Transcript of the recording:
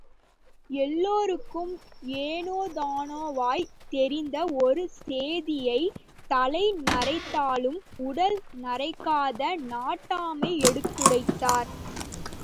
எல்லோருக்கும் ஏனோதானோவாய் தெரிந்த ஒரு சேதியை, தலை நரைத்தாலும் உடல் நரைக்காத நாட்டாண்மை எடுத்துரைத்தார்.